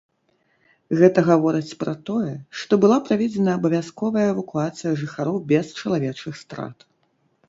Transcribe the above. Гэта гаворыць пра тое, што была праведзена абавязковая эвакуацыя жыхароў без чалавечых страт.